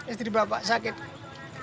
istri bapak sakit kanker pak